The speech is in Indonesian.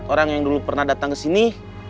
orang yang dulu pernah datang ke sini